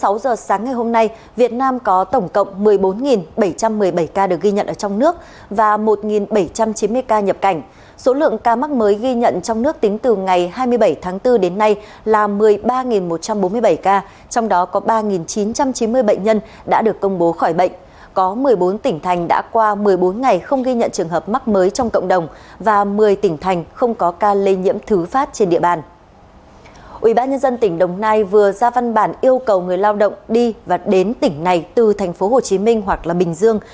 ủy ban nhân dân tỉnh đồng nai vừa ra văn bản yêu cầu người lao động đi và đến tỉnh này từ tp hcm hoặc bình dương